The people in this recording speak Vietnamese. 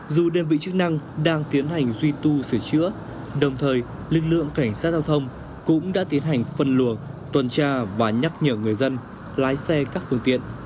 dù đơn vị chức năng đang tiến hành duy tu sửa chữa đồng thời lực lượng cảnh sát giao thông cũng đã tiến hành phân luồng tuần tra và nhắc nhở người dân lái xe các phương tiện